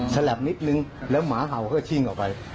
ลับนิดนึงแล้วหมาเห่าก็ชิ่งออกไป